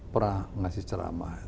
pernah ngasih ceramah